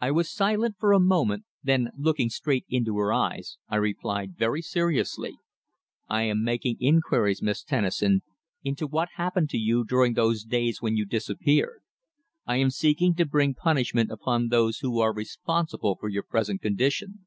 I was silent for a moment, then looking straight into her eyes, I replied very seriously: "I am making inquiries, Miss Tennison, into what happened to you during those days when you disappeared. I am seeking to bring punishment upon those who are responsible for your present condition."